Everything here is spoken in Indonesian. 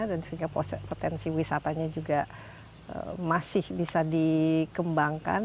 dan sehingga potensi wisatanya juga masih bisa dikembangkan